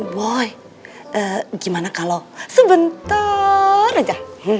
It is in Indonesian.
boy gimana kalau sebentar aja